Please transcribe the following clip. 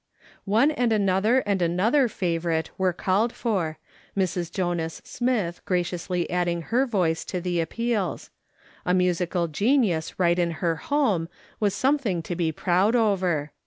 One and another and another favourite were called for, Mrs. Jonas Smith graciously adding her voice to the appeals ; a musical genius right in her home was something to be proud over.